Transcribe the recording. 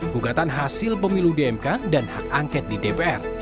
gugatan hasil pemilu dmk dan hak angket di dpr